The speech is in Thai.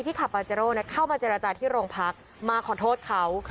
ขับปาเจโร่เข้ามาเจรจาที่โรงพักมาขอโทษเขา